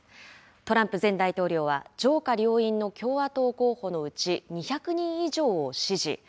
トランプ前大統領は上下両院の共和党候補のうち、２００人以上を支持。